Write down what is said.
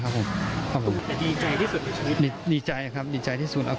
ถ้าพ่อไม่ได้เอาไปไว้ตรงสุขเจอน้อง